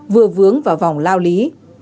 vừa vướng vào vòng lao lý